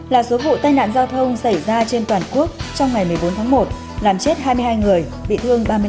ba mươi bốn là số vụ tai nạn giao thông xảy ra trên toàn quốc trong ngày một mươi bốn tháng một làm chết hai mươi hai người bị thương ba mươi năm người